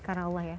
karena allah ya